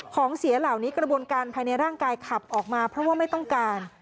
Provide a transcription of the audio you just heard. ของเสียเหล่านี้กระบวนการภายในร่างกายขับออกมาเพราะว่าไม่ต้องการ